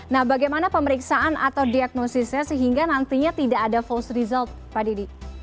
nah bagaimana pemeriksaan atau diagnosisnya sehingga nantinya tidak ada false result pak didi